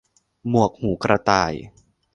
หมวกหูกระต่าย